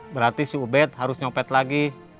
berarti si ubed harus nyopet lagi